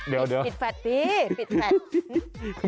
เดี๋ยวปิดแฟลตดีปิดแฟท